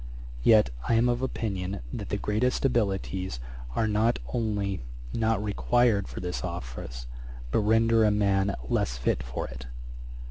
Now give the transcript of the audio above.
Yet I am of opinion that the greatest abilities are not only not required for this office, but render a man less fit for it.